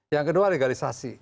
yang kedua legalisasi